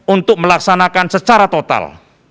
untuk melaksanakan secara total